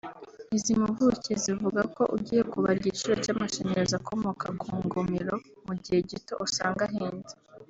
Izi mpuguke zivuga ko ugiye kubara igiciro cy’amashanyarazi akomoka ku ngomero mu gihe gito usanga ahenze